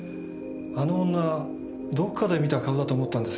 あの女どっかで見た顔だと思ったんですが。